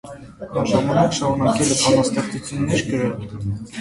Միաժամանակ շարունակել է բանաստեղծություններ գրել։